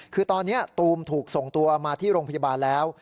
คือตอนนี้ตูมถูกส่งตัวมาที่โรงพยาบาลแล้ว